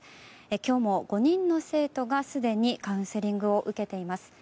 今日も、５人の生徒がすでにカウンセリングを受けています。